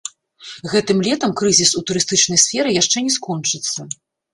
Гэтым летам крызіс у турыстычнай сферы яшчэ не скончыцца.